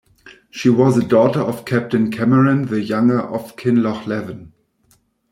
She was a daughter of Captain Cameron the younger of Kinlochleven.